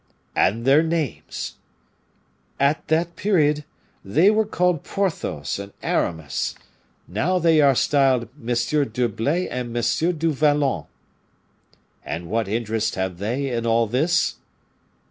"And their names?" "At that period they were called Porthos and Aramis. Now they are styled M. d'Herblay and M. du Vallon." "And what interest have they in all this?"